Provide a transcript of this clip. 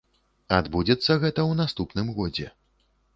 Адбудзецца гэта ў наступным годзе.